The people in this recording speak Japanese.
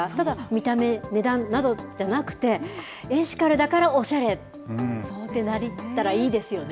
見た目、値段などじゃなくてエシカルだからおしゃれってなったらいいですよね。